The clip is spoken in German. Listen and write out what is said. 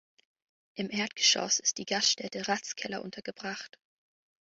Im Erdgeschoss ist die Gaststätte "Ratskeller" untergebracht.